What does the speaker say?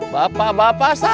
bapak bapak sayur